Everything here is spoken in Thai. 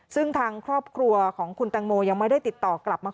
ซึ่งทางครอบครัวของคุณตังโมยังไม่ได้ติดต่อกลับมา